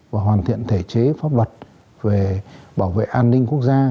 và hoàn thiện thể chế pháp luật về bảo vệ an ninh quốc gia